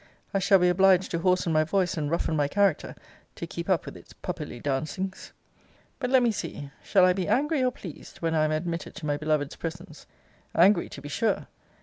I shall be obliged to hoarsen my voice, and roughen my character, to keep up with its puppily dancings. But let me see, shall I be angry or pleased when I am admitted to my beloved's presence? Angry to be sure.